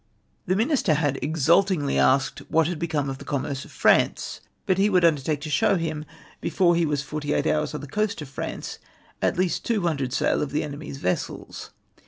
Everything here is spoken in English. " The Minister had exultingly asked, what had become of the commerce of France ? But he would undertake to show him, before he was 48 hours on the coast of France, at least 200 sail of the enemy's vessels.